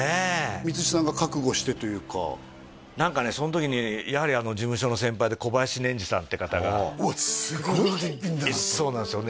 光石さんが覚悟してというか何かねその時にやはり事務所の先輩で小林稔侍さんっていう方がうわすごいそうなんですよ